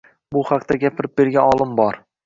Bu haqida gapirib bergan olim bor.